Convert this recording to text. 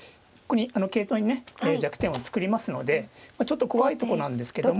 桂頭にね弱点を作りますのでちょっと怖いとこなんですけども。